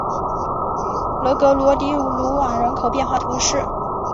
勒格罗迪鲁瓦人口变化图示